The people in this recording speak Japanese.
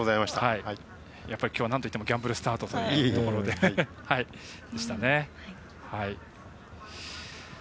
やっぱりきょうはなんといってもギャンブルスタートというところでしたね。